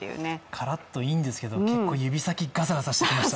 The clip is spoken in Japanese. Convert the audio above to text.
からっとはいいんですけど指先ガサガサしてきました。